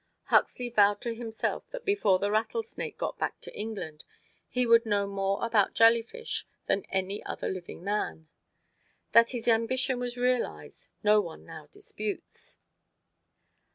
Huxley vowed to himself that before the "Rattlesnake" got back to England he would know more about jellyfish than any other living man. That his ambition was realized no one now disputes.